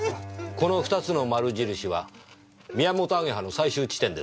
この２つの丸印はミヤモトアゲハの採集地点ですね。